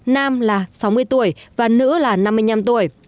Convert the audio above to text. nam là sáu mươi tuổi và nữ là năm mươi năm tuổi